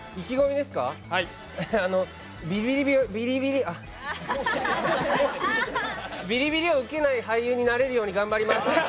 ビリビリあっ、ビリビリを受けない俳優になれるように頑張ります。